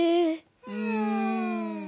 うん。